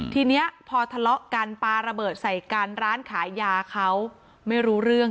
ทีนี้พอทะเลาะกันปลาระเบิดใส่กันร้านขายยาเขาไม่รู้เรื่อง